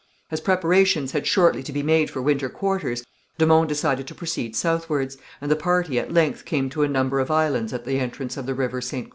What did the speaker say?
As preparations had shortly to be made for winter quarters, de Monts decided to proceed southwards, and the party at length came to a number of islands at the entrance of the river Ste.